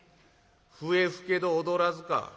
『笛吹けど踊らず』か」。